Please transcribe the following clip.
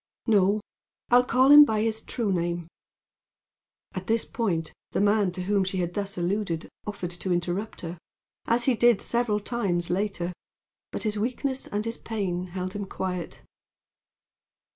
No, I'll call him by his true name " At this point the man to whom she had thus alluded offered to interrupt her, as he did several times later; but his weakness and his pain held him quiet.